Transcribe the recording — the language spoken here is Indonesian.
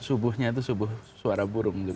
subuhnya itu subuh suara burung